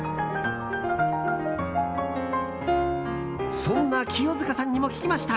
そんな清塚さんにも聞きました！